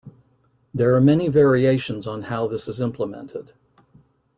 There are many variations on how this is implemented.